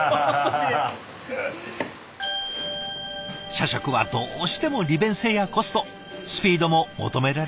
社食はどうしても利便性やコストスピードも求められますからね。